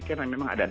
karena memang ada